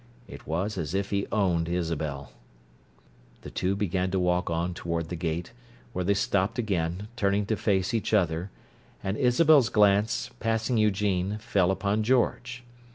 It was as if he owned Isabel. The two began to walk on toward the gate, where they stopped again, turning to face each other, and Isabel's glance, passing Eugene, fell upon George.